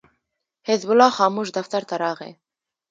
حزب الله خاموش دفتر ته راغی.